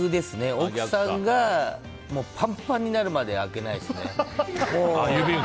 奥さんがパンパンになるまで開けないですね。